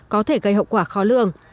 có thể gây hậu quả khó lương